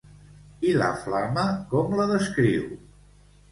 I la flama com la descriu?